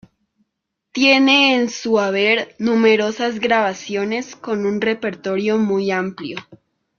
Tiene en su haber numerosas grabaciones con un repertorio muy amplio.